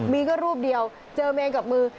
มีก็รูปเดียวเจอเมนกับมือ